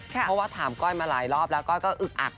เพราะว่าถามก้อยมาหลายรอบแล้วก้อยก็อึกอัก